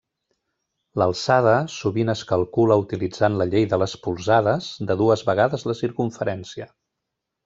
L'alçada sovint es calcula utilitzant la llei de les polzades de dues vegades la circumferència.